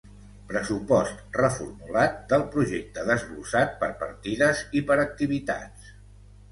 Pressupost reformulat del projecte desglossat per partides i per activitats.